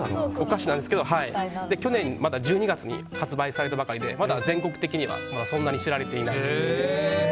去年１２月に発売されたばかりでまだ全国的にはそんなに知られていない。